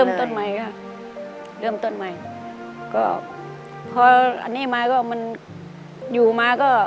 ต้นใหม่ค่ะเริ่มต้นใหม่ก็พออันนี้มาก็มันอยู่มาก็